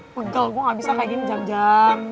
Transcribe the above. pegel gue gabisa kaya gini jam jam